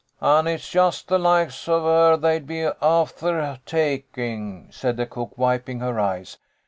"An' it's just the loikes av her they'd be afther taking," said the cook, wiping her eyes.